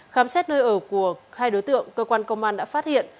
khám xét nơi ở của hai đối tượng cơ quan công an đã phát hiện